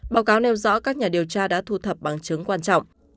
báo cáo nêu rõ các nhà điều tra đã thu thập bằng chứng quan trọng